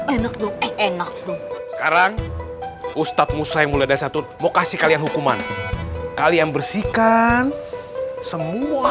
enak enak sekarang ustadz musreng mulia dan santun mau kasih kalian hukuman kalian bersihkan semua